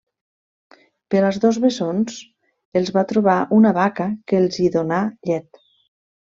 Però als dos bessons els va trobar una vaca que els hi donà llet.